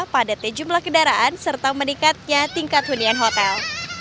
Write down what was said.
padatnya jumlah kendaraan serta meningkatnya tingkat hunian hotel